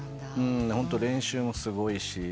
ホント練習もすごいし。